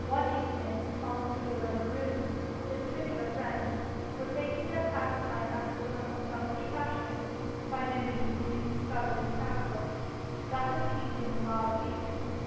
One evening, Tom Fool, and a groom, his particular friend, were taking their pastime after a somewhat selfish fashion, by no means newly discovered in the castle that of teasing the wild beasts.